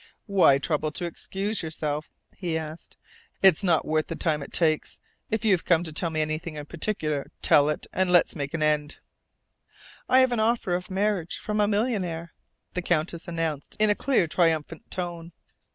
"Why trouble to excuse yourself?" he asked. "It's not worth the time it takes. If you've come to tell me anything in particular, tell it, and let's make an end." "I have an offer of marriage from a millionaire," the Countess announced in a clear, triumphant tone.